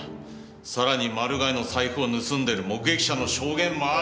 さらにマルガイの財布を盗んでる目撃者の証言もある。